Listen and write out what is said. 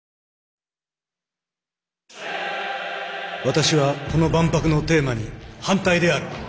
私はこの万博のテーマに反対である。